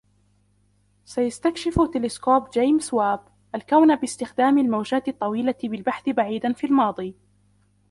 سيستكشف تلسكوب جيمس واب الكون باستخدام الموجات الطويلة بالبحث بعيدا في الماضي